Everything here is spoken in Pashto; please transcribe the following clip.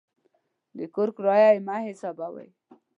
د کور کرایه یې مه حسابوئ.